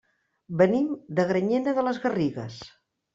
Venim de Granyena de les Garrigues.